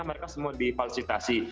mereka semua dipasitasi